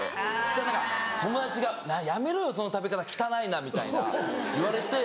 そしたら友達が「やめろよその食べ方汚いな」みたいな言われて。